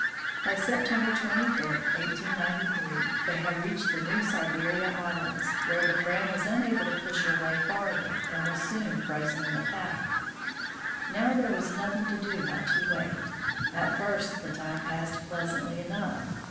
By September 25, 1893, they had reached the New Siberia islands, where the Fram was unable to push her way far ther, and was soon frozen in the pack. Now there was noth ing to do but to wait. At first the time passed pleasantly enough.